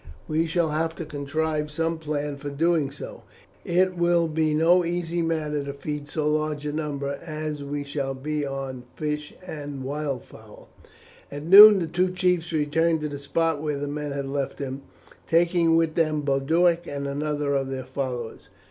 We shall have to contrive some plan for doing so. It will be no easy matter to feed so large a number as we shall be on fish and wildfowl." At noon the two chiefs returned to the spot where the men had left them, taking with them Boduoc and another of their followers.